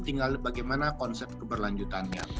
tinggal bagaimana konsep keberlanjutannya